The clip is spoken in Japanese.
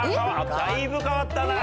だいぶ変わったな。